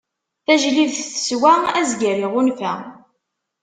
Tajlibt teswa, azger iɣunfa.